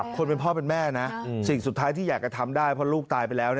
คนเป็นพ่อเป็นแม่นะสิ่งสุดท้ายที่อยากจะทำได้เพราะลูกตายไปแล้ว